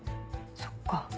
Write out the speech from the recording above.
そっか。